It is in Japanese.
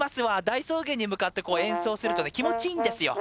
大草原に向かって演奏するとね気持ちいいんですよ